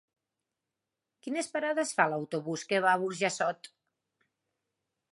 Quines parades fa l'autobús que va a Burjassot?